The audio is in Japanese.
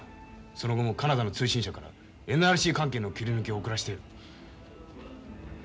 その後もカナダの通信社からＮＲＣ関係の切り抜きを送らせている。